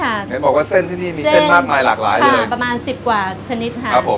เห็นบอกว่าเส้นที่นี่มีเส้นมากมายหลากหลายเลยประมาณสิบกว่าชนิดค่ะครับผม